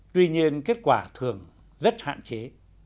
tuy nhiên kết quả thường rất hạn chế